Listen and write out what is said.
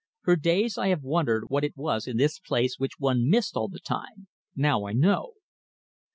For days I have wondered what it was in this place which one missed all the time. Now I know."